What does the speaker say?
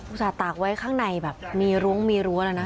ต่าตากไว้ข้างในแบบมีรุ้งมีรั้วแล้วนะ